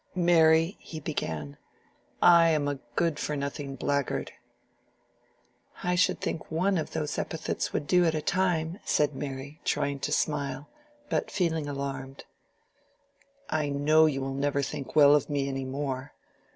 "Mary," he began, "I am a good for nothing blackguard." "I should think one of those epithets would do at a time," said Mary, trying to smile, but feeling alarmed. "I know you will never think well of me any more.